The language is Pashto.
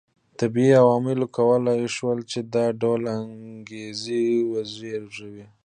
طبیعي عواملو کولای شول چې دا ډول انګېزې وزېږوي